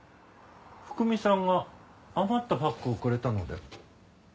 福美さんが余ったパックをくれたので。